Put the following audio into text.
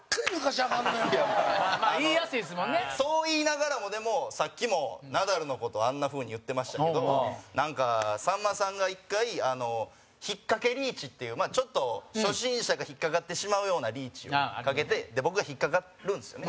粗品：そう言いながらもでも、さっきもナダルの事あんな風に言ってましたけどさんまさんが１回引っかけリーチっていうちょっと、初心者が引っかかってしまうようなリーチをかけて僕が引っかかるんですよね。